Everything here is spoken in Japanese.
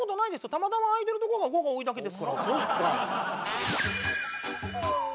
たまたま開いてるところが５が多いだけですから。